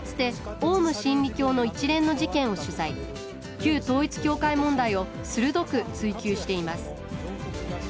旧統一教会問題を鋭く追及しています